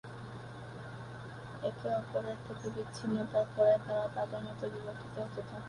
একে অপর থেকে বিচ্ছিন্নতার পরে, তারা তাদের মত করে বিবর্তিত হতে থাকে।